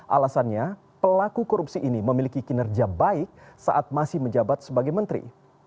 alasannya pelaku korupsi ini memiliki kinerja baik saat masih menjabat sebagai menteri